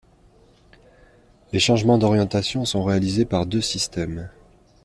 Les changements d'orientation sont réalisés par deux systèmes.